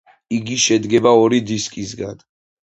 იგი შედგება ორი დისკისგან.